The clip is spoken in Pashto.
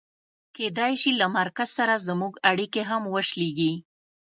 کېدای شي له مرکز سره زموږ اړیکې هم وشلېږي.